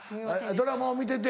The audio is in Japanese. ドラマを見てて。